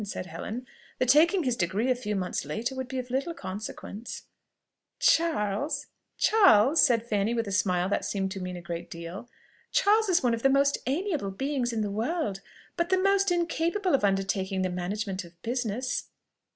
said Helen. "The taking his degree a few months later would be of little consequence." "Charles?" said Fanny with a smile that seemed to mean a great deal. "Charles is one of the most amiable beings in the world, but the most incapable of undertaking the management of business."